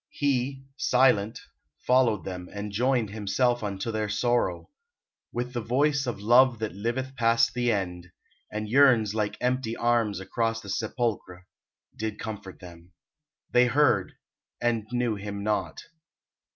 He, silent, followed them, and joined Himself unto their sorrow; with the voice Of love that liveth past the end, and yearns Like empty arms across the sepulchre, Did comfort them. They heard, and knew Him not.